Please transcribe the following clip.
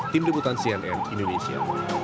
tim reputan cnn indonesia